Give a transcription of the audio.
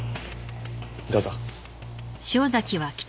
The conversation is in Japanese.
どうぞ。